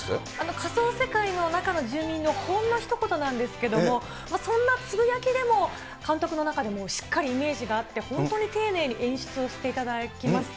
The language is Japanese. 仮想世界の中の住民のほんのひと言なんですけど、そんなつぶやきでも、監督の中でもうしっかりイメージがあって、本当に丁寧に演出をしていただきました。